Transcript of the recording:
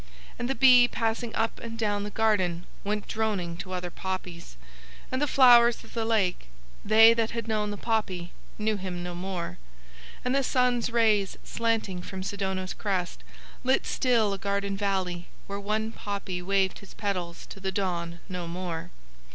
And the bee passing up and down the garden went droning to other poppies, and the flowers of the lake, they that had known the poppy, knew him no more. And the sun's rays slanting from Sidono's crest lit still a garden valley where one poppy waved his petals to the dawn no more.